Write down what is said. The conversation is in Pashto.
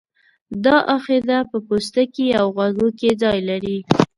دا آخذه په پوستکي او غوږ کې ځای لري.